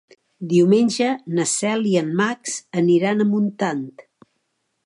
Diumenge na Cel i en Max aniran a Montant.